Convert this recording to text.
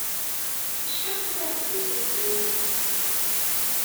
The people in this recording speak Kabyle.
Acḥal tasaɛet deg Tokyo?